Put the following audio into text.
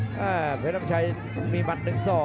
ต้องมีมัน๑๒